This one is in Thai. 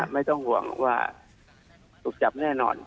ไม่ต้องห่วงว่าถูกจับแน่นอน